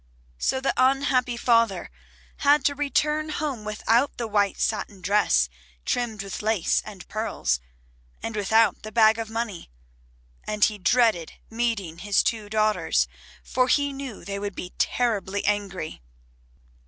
So the unhappy father had to return home without the white satin dress trimmed with lace and pearls, and without the bag of money, and he dreaded meeting his two daughters, for he knew they would be terribly angry.